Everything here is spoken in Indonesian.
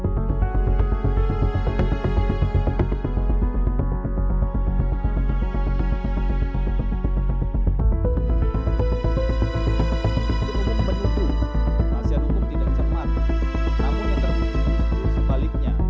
nasihan hukum tidak cermat namun yang terkunci sebaliknya